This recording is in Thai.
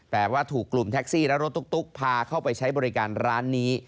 แต่ว่าถูกกลุ่มแท็กซี่และรถตุ๊กพาเข้าไปใช้บริการร้านนี้